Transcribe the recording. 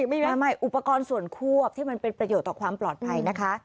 ไม่อุปกรณ์ส่วนควบที่มันเป็นประโยชน์ต่อความปลอดภัยนะคะ